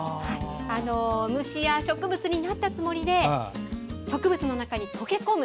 虫や植物になったつもりで植物の中に溶け込む。